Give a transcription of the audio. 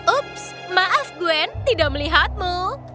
ops maaf gwen tidak melihatmu